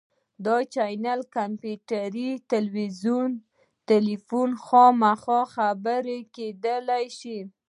دا چینل کمپیوټر، تلویزیون، تیلیفون یا مخامخ خبرې کیدی شي.